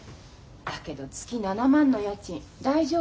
だけど月７万の家賃大丈夫？